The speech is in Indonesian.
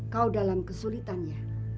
kau dalam kesulitan ya